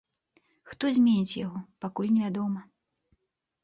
Хто зменіць яго, пакуль невядома.